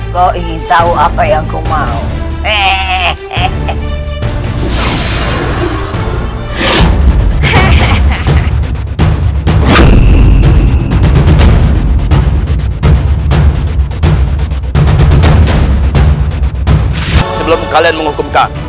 ket agencyast thompson mengungu